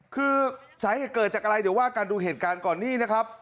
คือสาเหตุเกิดจากอะไรเดี๋ยวว่ากันดูเหตุการณ์ก่อนนี่นะครับ